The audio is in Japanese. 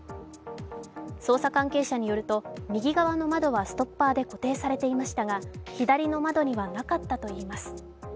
捜査関係者によると、右側の窓はストッパーで固定されていましたが、左の窓にはなかったといいます。